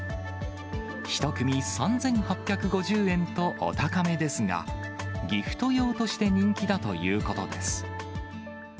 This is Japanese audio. １組３８５０円とお高めですが、ギフト用として人気だということです。